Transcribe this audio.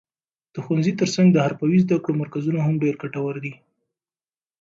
د ښوونځي تر څنګ د حرفوي زده کړو مرکزونه هم ډېر ګټور دي.